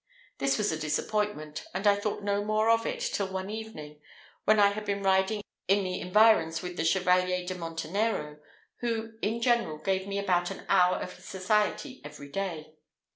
This was a disappointment, and I thought no more of it till one evening, when I had been riding in the environs with the Chevalier de Montenero, who, in general, gave me about an hour of his society every day.